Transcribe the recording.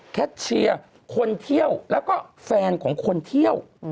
เชียร์คนเที่ยวแล้วก็แฟนของคนเที่ยว